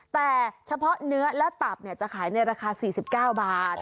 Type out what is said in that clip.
แต่เฉพาะเนื้อและตับจะขายในราคา๔๙บาท